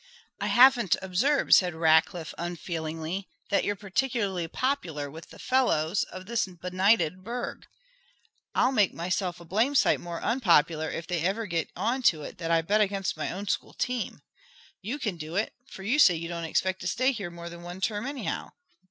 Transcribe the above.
"I haven't observed," said Rackliff unfeelingly, "that you're particularly popular with the fellows of this benighted burg." "I'll make myself a blame sight more unpopular if they ever get onto it that I bet against my own school team. You can do it, for you say you don't expect to stay here more than one term, anyhow.